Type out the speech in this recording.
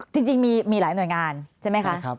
จริงมีหลายหน่วยงานใช่ไหมคะ